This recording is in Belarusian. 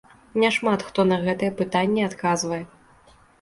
Няшмат хто на гэтае пытанне адказвае.